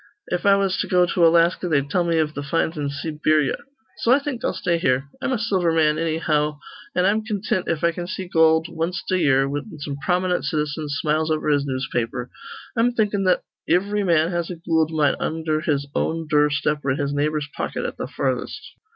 If I was to go to Alaska, they'd tell me iv th' finds in Seeberya. So I think I'll stay here. I'm a silver man, annyhow; an' I'm contint if I can see goold wanst a year, whin some prominent citizen smiles over his newspaper. I'm thinkin' that ivry man has a goold mine undher his own dure step or in his neighbor's pocket at th' farthest."